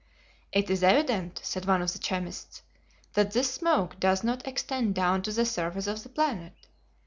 "It is evident," said one of the chemists, "that this smoke does not extend down to the surface of the planet.